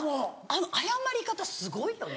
あの謝り方すごいよね。